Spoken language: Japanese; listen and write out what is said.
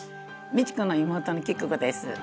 美智子の妹の喜久子です。